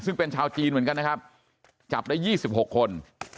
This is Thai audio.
ซึ่งเป็นชาวจีนเหมือนกันนะครับจับได้๒๖คน